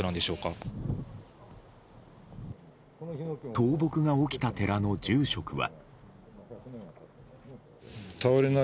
倒木が起きた寺の住職は。